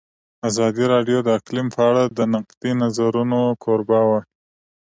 ازادي راډیو د اقلیم په اړه د نقدي نظرونو کوربه وه.